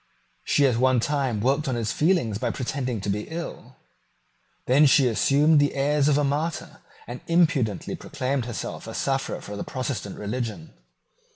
She at one time worked on his feelings by pretending to be ill. Then she assumed the airs of a martyr, and impudently proclaimed herself a sufferer for the Protestant religion.